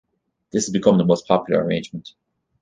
This has become the most popular arrangement.